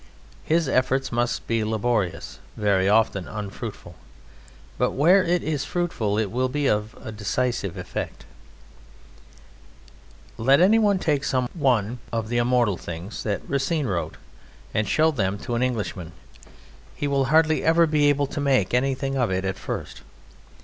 His efforts must be laborious, very often unfruitful, but where it is fruitful it will be of a decisive effect. Thus let anyone take some one of the immortal things that Racine wrote and show them to an Englishman. He will hardly ever be able to make anything of it at first.